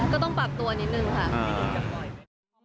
ก็ต้องปรับตัวนิดนึงค่ะ